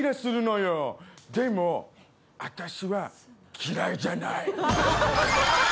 でも私は嫌いじゃない。